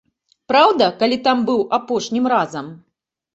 Праўда, калі там быў апошнім разам?!